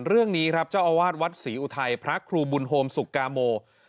เรื่องนี้ครับเจ้าอาวาสวัดศรีอุทัยพระครูบุญโฮมสุกาโม